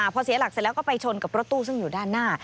พอเสียหลักเสร็จแล้วก็ไปชนกับรถตู้ซึ่งอยู่ด้านหน้า